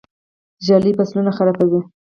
ږلۍ فصلونه خرابوي.